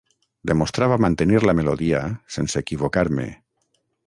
Demostrava mantenir la melodia, sense equivocar-me...